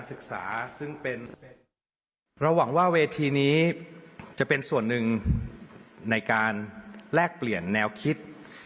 เราหวังว่าเวทีนี้จะเป็นส่วนหนึ่งในการแลกเปลี่ยนแนวคิด